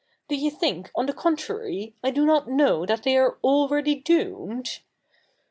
Do you think, on the contrary, I do not know that they are already doomed?